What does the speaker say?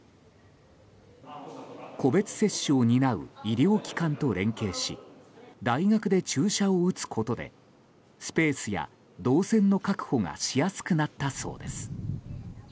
個別接種を担う医療機関と連携し大学で注射を打つことでスペースや動線の確保がしやすくなったそうです。